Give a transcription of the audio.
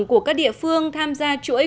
của các địa phương tham gia chuỗi